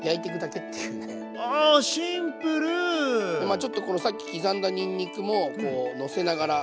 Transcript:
まあちょっとこのさっき刻んだにんにくものせながら。